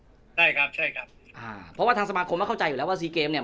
ใช่ครับใช่ครับอ่าเพราะว่าทางสมาคมก็เข้าใจอยู่แล้วว่าซีเกมเนี่ย